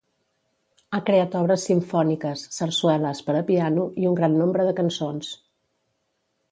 Ha creat obres simfòniques, sarsueles, per a piano, i un gran nombre de cançons.